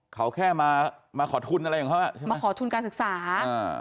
เขาแค่มามาขอทุนอะไรของเขาอ่ะใช่ไหมมาขอทุนการศึกษาอ่า